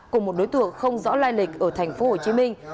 cùng một đối tượng không rõ lai lịch ở thành phố hồ chí minh